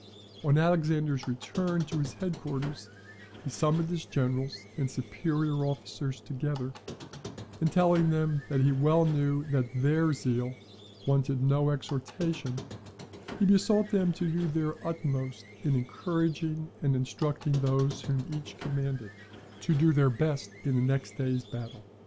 On Alexander's return to his head quarters, he summoned his generals and superior officers together, and telling them that he well knew that THEIR zeal wanted no exhortation, he besought them to do their utmost in encouraging and instructing those whom each commanded, to do their best in the next day's battle.